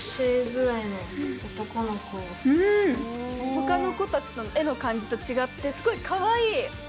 他の子たちの絵の感じと違ってすごいかわいい。